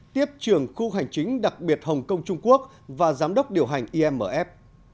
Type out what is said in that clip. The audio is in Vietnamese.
tiếp trưởng khu hành chính đặc biệt hồng kông trung quốc và giám đốc điều hành imf